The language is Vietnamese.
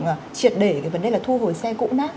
và triệt để cái vấn đề là thu hồi xe cũ nát